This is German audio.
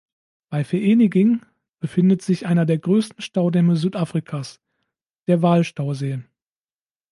Bei Vereeniging befindet sich einer der größten Staudämme Südafrikas, der Vaal-Stausee.